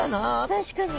確かに。